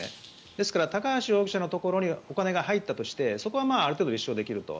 ですから、高橋容疑者のところにお金が入ったとしてそこはある程度、立証できると。